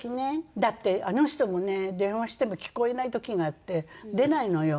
だってあの人もね電話しても聞こえない時があって出ないのよ。